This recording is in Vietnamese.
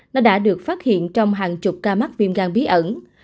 nó đã được phát hiện trong hàng chục ca mắc viêm gan bí ẩn